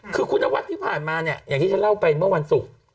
คือคุณนวัดที่ผ่านมาเนี่ยอย่างที่ฉันเล่าไปเมื่อวันศุกร์